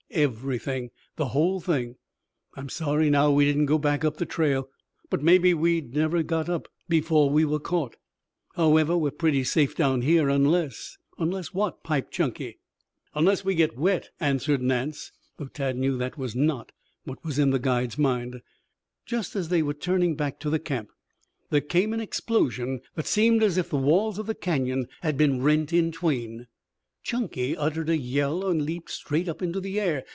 "Everything. The whole thing. I'm sorry now that we didn't go back up the trail, but maybe we'd never got up before we were caught. However, we're pretty safe down here, unless " "Unless what?" piped Chunky. "Unless we get wet," answered Nance, though Tad knew that was not what was in the guide's mind. Just as they were turning back to the camp there came an explosion that seemed as if the walls of the Canyon had been rent in twain. Chunky uttered a yell and leaped straight up into the air.